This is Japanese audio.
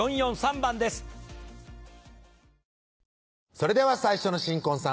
それでは最初の新婚さん